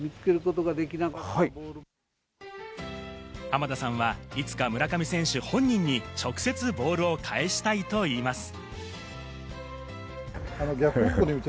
濱田さんはいつか村上選手本人に直接、ボールを返したいと言います。